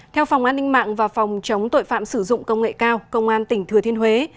theo phòng an ninh mạng và phòng chống tội phạm sử dụng công nghệ cao công an tỉnh thừa thiên huế